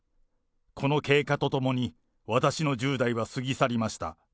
この経過とともに、私の１０代は過ぎ去りました。